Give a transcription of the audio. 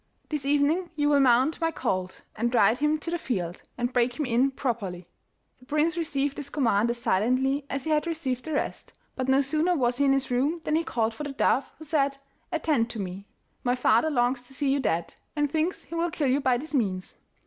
'This evening you will mount my colt and ride him to the field, and break him in properly.' The prince received this command as silently as he had received the rest, but no sooner was he in his room than he called for the dove, who said: 'Attend to me. My father longs to see you dead, and thinks he will kill you by this means.